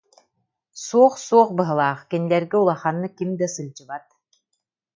Суох, суох быһыылаах, кинилэргэ улаханнык ким да сылдьыбат